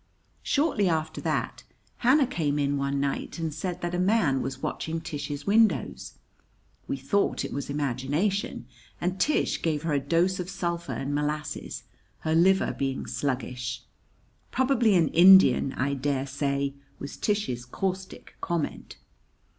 Shortly after that, Hannah came in one night and said that a man was watching Tish's windows. We thought it was imagination, and Tish gave her a dose of sulphur and molasses her liver being sluggish. "Probably an Indian, I dare say," was Tish's caustic comment.